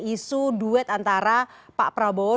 isu duet antara pak prabowo